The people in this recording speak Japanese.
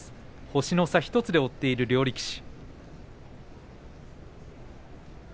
星の差１つで追っている両力士。